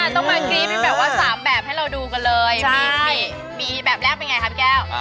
ต้องมากรี๊ดเป็นแบบว่า๓แบบให้เราดูกันเลยมีแบบแรกเป็นไงคะพี่แก้ว